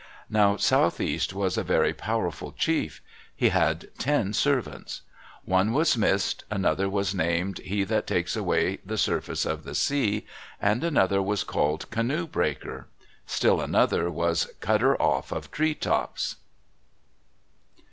Now Southeast was a very powerful chief. He had ten servants. One was Mist, another was named He that takes away the Surface of the Sea, and another was called Canoe Breaker. Still another was Cutter off of Tree Tops.